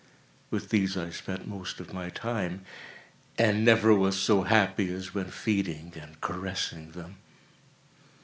With these I spent most of my time, and never was so happy as when feeding and caressing them.